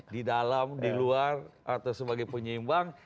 di dalam di luar atau sebagai penyeimbang